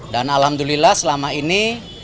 dan alhamdulillah selama ini